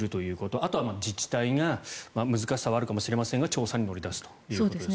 あとは自治体が難しさはあるかもしれないですが調査に乗り出すと。